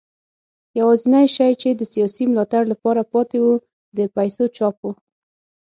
یوازینی شی چې د سیاسي ملاتړ لپاره پاتې و د پیسو چاپ و.